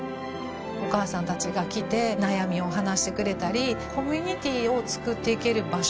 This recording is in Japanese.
お母さんたちが来て悩みを話してくれたりコミュニティーをつくっていける場所。